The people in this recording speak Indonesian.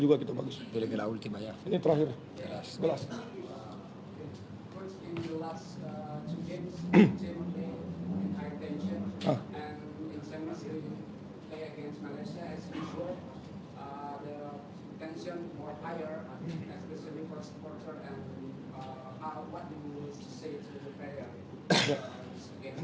di akhir dua pertandingan tim ini sangat tertekan